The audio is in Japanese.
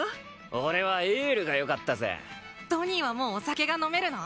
俺はエールがよかったぜドニーはもうお酒が飲めるの？